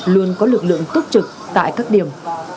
luôn có lực lượng tốt trực tại các điểm